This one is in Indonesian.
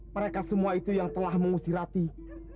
mereka semua itu yang telah mengusir latih